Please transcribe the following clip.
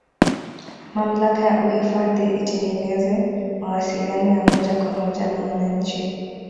mamlaka ya uhifadhi itengeze mawasiliano ya moja kwa moja na wananchi